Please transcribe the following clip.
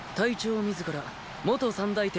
自ら元三大天